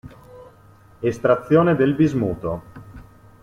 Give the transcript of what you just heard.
Estrazione del bismuto.